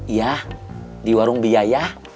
iya di warung biaya